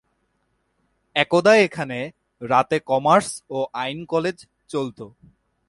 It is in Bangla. একদা এখানে রাতে কমার্স ও আইন কলেজ চলত।